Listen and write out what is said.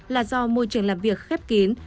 là do môi trường làm việc khép kín